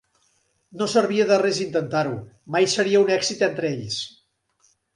No servia de res intentar-ho: mai seria un èxit entre ells.